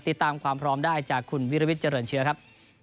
ติดตามความพร้อมได้จากคุณวิรวิทย์เจริญเชื้อครับ